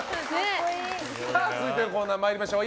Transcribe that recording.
続いてのコーナー参りましょう。